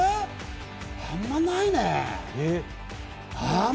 あんまないね。